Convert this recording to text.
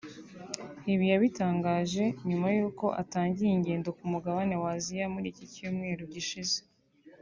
Ibi yabitangaje nyuma y’uko atangiye ingendo ku mugabane w’Aziya muri iki cyumweru gishize